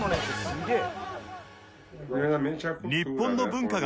すげえ」